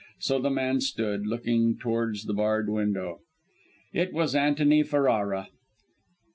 So the man stood, looking towards the barred window. It was Antony Ferrara!